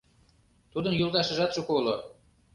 Тудын йолташыжат шуко уло.